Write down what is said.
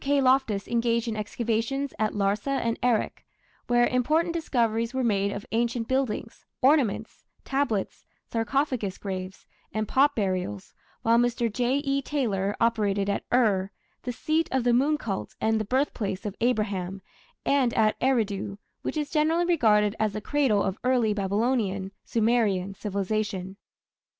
K. Loftus engaged in excavations at Larsa and Erech, where important discoveries were made of ancient buildings, ornaments, tablets, sarcophagus graves, and pot burials, while Mr. J.E. Taylor operated at Ur, the seat of the moon cult and the birthplace of Abraham, and at Eridu, which is generally regarded as the cradle of early Babylonian (Sumerian) civilization.